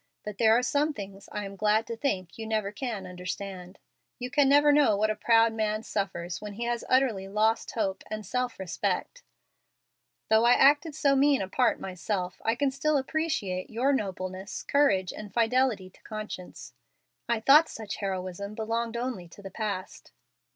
But there are some things I am glad to think you never can understand. You can never know what a proud man suffers when he has utterly lost hope and self respect. Though I acted so mean a part myself, I can still appreciate your nobleness, courage, and fidelity to conscience. I thought such heroism belonged only to the past."